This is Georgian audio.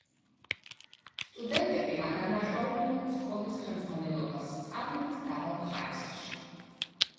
სტუდენტები ადანაშაულებდნენ სკოლის ხემძღვანელობას სწავლების დაბალ ხარისხში.